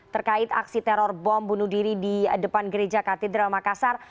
terkait aksi teror bom bunuh diri di depan gereja katedral makassar